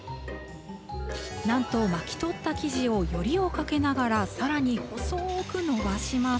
なんと巻き取った生地をよりをかけながら、さらに細ーく延ばします。